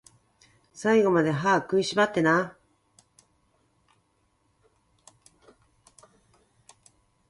最後まで、歯食いしばってなー